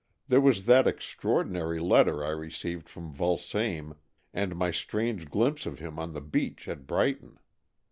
There was that extraordinary letter I received from Vulsame, and my strange glimpse of him on the beach at Brighton.